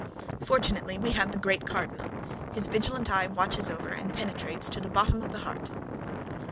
Fortunately we have the great cardinal; his vigilant eye watches over and penetrates to the bottom of the heart."